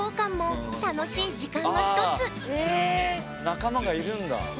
仲間がいるんだ。